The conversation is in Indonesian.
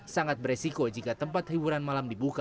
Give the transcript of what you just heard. sangat beresiko jika tempat hiburan malam dibuka